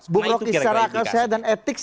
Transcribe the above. buruk istilah akal sehat dan etik